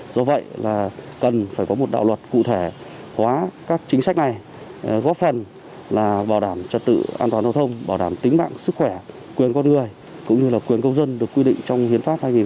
do vậy cần phải có một đạo luật cụ thể hóa các chính sách này góp phần là bảo đảm trật tự an toàn giao thông bảo đảm tính mạng sức khỏe